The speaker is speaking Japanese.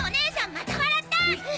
また笑った！